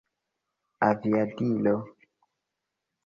aviadilo